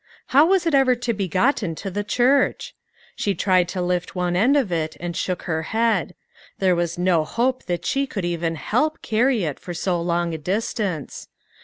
How was it ever to be gotten to the church? She tried to lift one end of it, and shook her head. There was no hope that she could even help carry it for so long a distance.